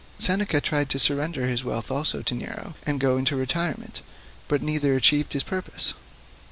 Seneca tried to surrender his wealth also to Nero, and go into retirement; but neither achieved his purpose.